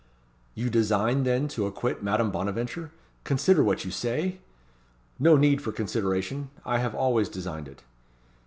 "You design, then, to acquit Madame Bonaventure? Consider what you say?" "No need for consideration; I have always designed it."